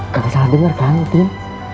kau salah denger kan